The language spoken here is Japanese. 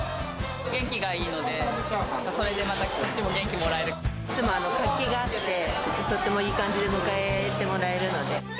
元気がいいので、それでまたいつも活気があって、とってもいい感じで迎えてもらえるので。